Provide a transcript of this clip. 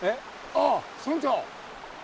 ああ村長。